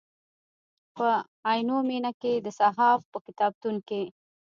په عینومېنه کې د صحاف په کتابتون کې.